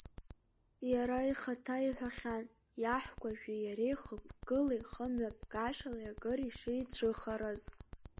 Иара ихаҭа иҳәахьан иаҳкәажәи иареи хықәкылеи хымҩаԥгашьалеи акыр ишеицәыхараз.